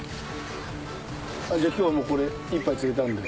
じゃあ今日はもうこれ１杯釣れたんで。